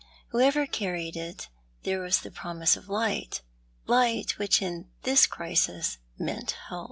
Whoever carried it, there was the promise of light — light, which in this crisis meant help.